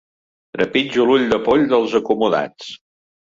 Trepitjo l'ull de poll dels acomodats.